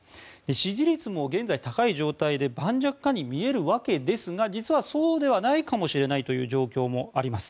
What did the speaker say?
支持率も現在高い状態で盤石かに見えるわけですが実はそうでもないかもしれないという状況があります。